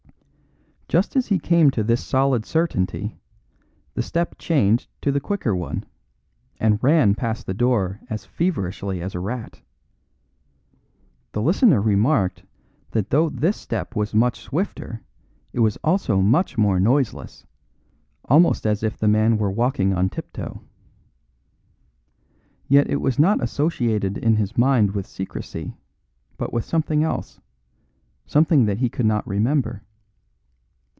Just as he came to this solid certainty, the step changed to the quicker one, and ran past the door as feverishly as a rat. The listener remarked that though this step was much swifter it was also much more noiseless, almost as if the man were walking on tiptoe. Yet it was not associated in his mind with secrecy, but with something else something that he could not remember.